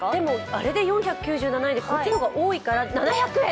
あれで４９７円で、こっちの方が多いから７００円？